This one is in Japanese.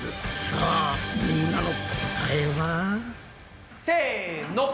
さあみんなの答えは？せの！